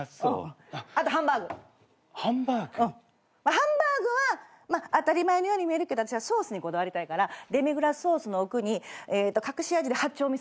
ハンバーグは当たり前のように見えるけど私はソースにこだわりたいからデミグラスソースの奥に隠し味で八丁味噌入れたい。